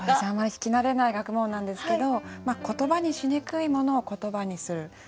あんまり聞き慣れない学問なんですけど言葉にしにくいものを言葉にする。